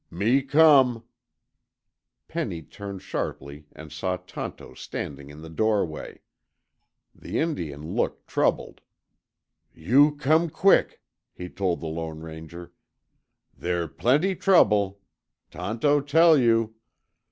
"Me come." Penny turned sharply and saw Tonto standing in the doorway. The Indian looked troubled. "You come quick," he told the Lone Ranger. "There plenty trouble. Tonto tell you."